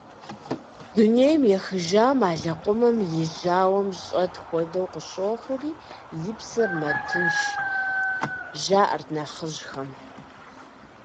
Дунейм ехыжам а лэкъумым и жьауэм щӀэт хуэдэу къыщохъури и псэр мэтынш, жаӀэрт нэхъыжьхэм.